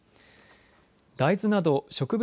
大豆など植物